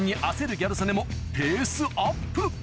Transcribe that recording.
ギャル曽根もペースアップ